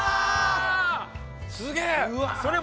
・すげえ！